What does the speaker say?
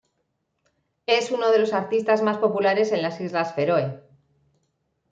Es uno de los artistas más populares en las Islas Feroe.